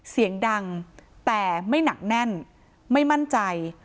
เสียงดังแต่ไม่หนักแน่นไม่มั่นใจ